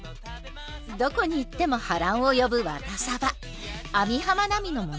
どこに行っても波乱を呼ぶワタサバ網浜奈美の物語。